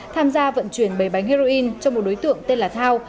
tham gia vận chuyển bảy bánh heroin cho một đối tượng tên là thao